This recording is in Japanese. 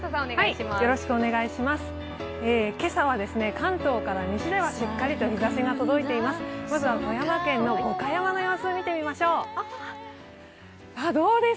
今朝は関東から西ではしっかりと日ざしが届いています。